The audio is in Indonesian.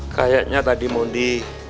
kayaknya tadi mau di